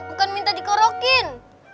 bukan minta dikorokin